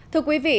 thưa quý vị